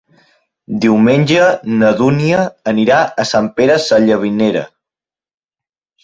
Diumenge na Dúnia anirà a Sant Pere Sallavinera.